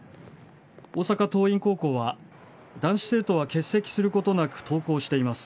大阪桐蔭高校は男子生徒は欠席することなく登校しています。